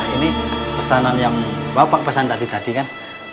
ini pesanan yang bapak pesan tadi tadi kan